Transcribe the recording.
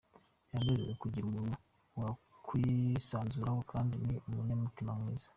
Biranezeza kugira umuntu wakwisanzuraho kandi ni umunyamutima mwiza”.